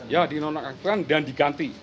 ya di nonakkan dan diganti